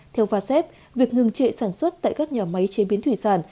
theo vasep việc ngừng trệ sản xuất tại các nhà máy chế biến thủy sản